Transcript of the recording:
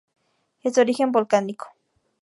Es de origen volcánico.